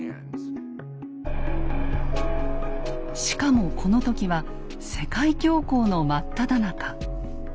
しかもこの時は世界恐慌の真っただ中。